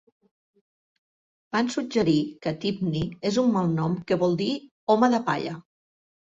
Van suggerir que Tibni és un malnom que vol dir "home de palla".